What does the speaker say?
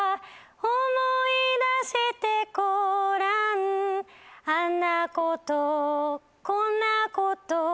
思いだしてごらんあんなことこんなこと